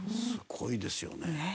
すごいですよね。